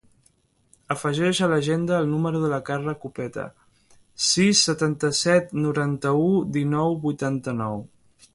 Afegeix a l'agenda el número de la Carla Copete: sis, setanta-set, noranta-u, dinou, vuitanta-nou.